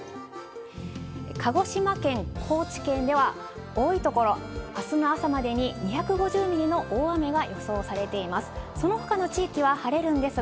鹿児島県、高知県では、多い所、あすの朝までに２５０ミリの大雨が予想されています。